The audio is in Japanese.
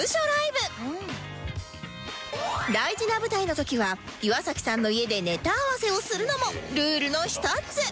大事な舞台の時は岩崎さんの家でネタ合わせをするのもルールの１つ